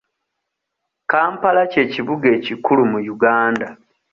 Kampala ky'ekibuga ekikulu mu Uganda.